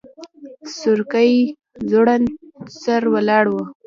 سورکی ځوړند سر ولاړ و.